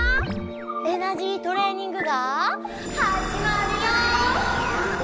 エナジートレーニングがはじまるよ！